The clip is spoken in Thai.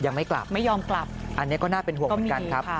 ยังไม่กลับไม่ยอมกลับอันนี้ก็น่าเป็นห่วงเหมือนกันครับ